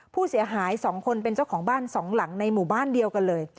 ผู้เสียหาย๒คนเป็นเจ้าของบ้านสองหลังในหมู่บ้านเดียวกันเลย